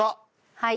はい。